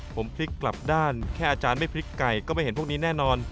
ผมพลิกกลับด้านแค่อาจารย์ไม่พลิกไก่ก็ไม่เห็นพวกนี้แน่นอน